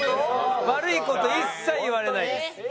悪い事一切言われないです。